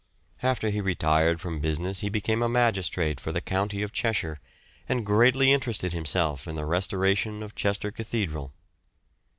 After he retired from business he became a magistrate for the county of Cheshire, and greatly interested himself in the restoration of Chester cathedral.